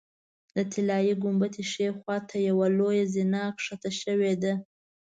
د طلایي ګنبدې ښي خوا ته یوه لویه زینه ښکته شوې ده.